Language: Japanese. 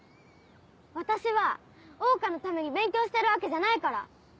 私は桜花のために勉強してるわけじゃないから！